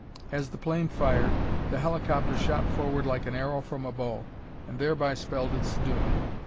As the plane fired, the helicopter shot forward like an arrow from a bow, and thereby spelled its doom.